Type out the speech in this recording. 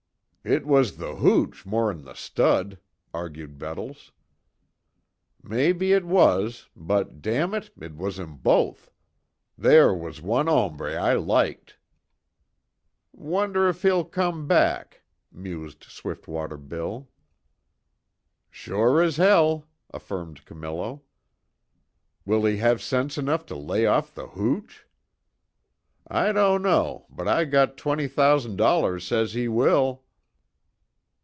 "It was the hooch, more'n the stud," argued Bettles. "Mebbe it was but, damn it! It was 'em both. There was one hombre I liked." "Wonder if he'll come back?" mused Swiftwater Bill. "Sure as hell!" affirmed Camillo. "Will he have sense enough to lay off the hooch?" "I don't know, but I got twenty thousan' dollars says he will."